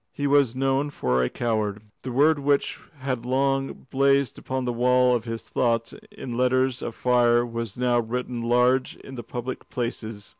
He was known for a coward. The word which had long blazed upon the wall of his thoughts in letters of fire was now written large in the public places.